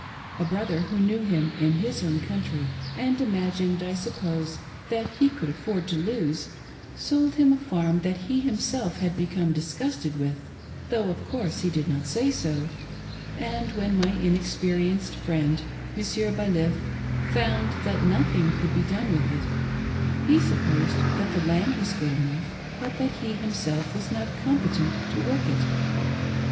A brother who knew him in his own country, and imagined, I suppose, that he could afford to lose, sold him a farm that he himself had become disgusted with, though, of course, he did not say so, and when my inexperienced friend, Monsieur Baliff, found that nothing could be done with it, he •supposed that the land was good enough but that he himself was not competent to work it.